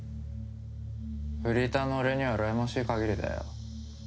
フリーターの俺にはうらやましいかぎりだよ。